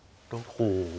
ほう。